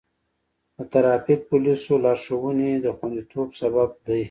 د ټرافیک پولیسو لارښوونې د خوندیتوب سبب دی.